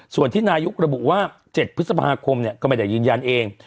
ส่วนที่นายกระบุว่า๗พฤษภาคมก็ไม่ได้ยืนยันเอง